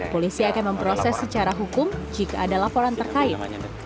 polisi akan memproses secara hukum jika ada laporan terkait